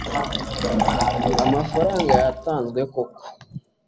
amafaranga yatanzwe koko